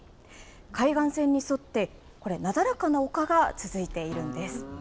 海岸線に沿って、これ、なだらかな丘が続いているんです。